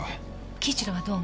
輝一郎はどう思う？